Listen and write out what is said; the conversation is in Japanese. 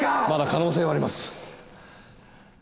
まだ可能性はあります。